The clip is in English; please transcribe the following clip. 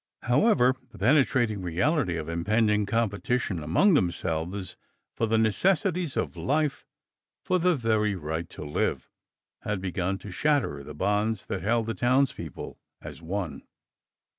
However, the penetrating reality of impending competition among themselves for the necessities of life, for the very right to live, had begun to shatter the bonds that held the townspeople as one.